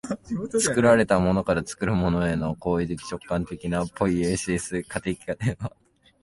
作られたものから作るものへとの行為的直観的なポイエシス的過程は